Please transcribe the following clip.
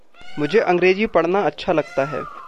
मुझे अंग्रेज़ी पढ़ना अच्छा लगता है।